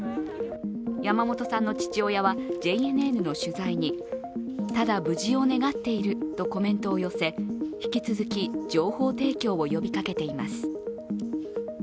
山本さんの父親はＪＮＮの取材にただ無事を願っているとコメントを寄せ、引き続き、情報提供を呼びかけています。